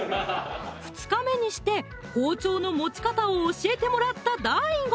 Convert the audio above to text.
２日目にして包丁の持ち方を教えてもらったＤＡＩＧＯ